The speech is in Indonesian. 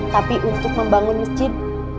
tapi untuk membangun masjid